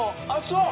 そう！